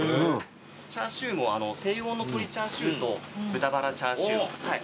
チャーシューも低温の鶏チャーシューと豚バラチャーシュー。